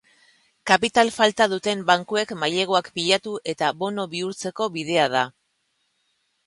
Kapital falta duten bankuek maileguak pilatu eta bono bihurtzeko bidea da.